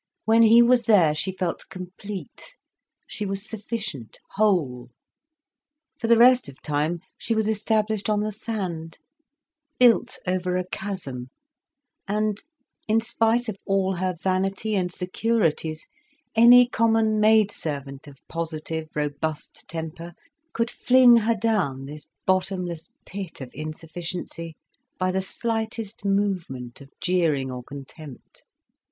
When he was there, she felt complete, she was sufficient, whole. For the rest of time she was established on the sand, built over a chasm, and, in spite of all her vanity and securities, any common maid servant of positive, robust temper could fling her down this bottomless pit of insufficiency, by the slightest movement of jeering or contempt.